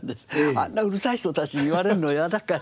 あんなうるさい人たちに言われるの嫌だから。